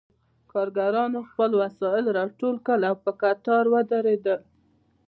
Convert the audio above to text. کارګرانو خپل وسایل راټول کړل او په قطار ودرېدل